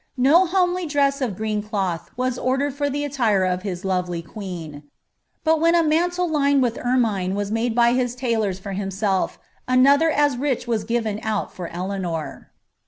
No homely dress of green cloth was orderiMi for the attire of his lovely queen ; but when a mantle fined with ermine was made by his tailors for himself, another as rich WIS given out for Eleanor.